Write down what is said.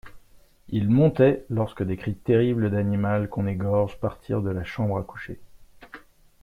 Il montait, lorsque des cris terribles d'animal qu'on égorge partirent de la chambre à coucher.